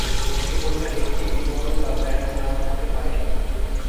একটি পণ্য একটি বিপণন বা ব্র্যান্ড নাম থাকতে পারে।